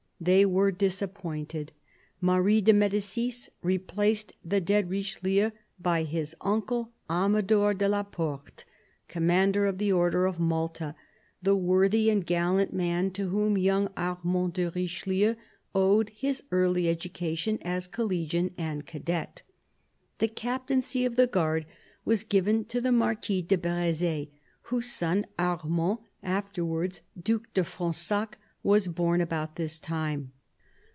They were disappointed. Marie deMedicis replaced the dead Richelieu by his uncle, Amador de la Porte, Commander of the Order of Malta, the worthy and gallant man to whom young Armand de Richelieu owed his early education as collegian and cadet. The captaincy of the guard was given to the Marquis de Brezd, whose son Armand, afterwards Due de Fronsac, was born about this time.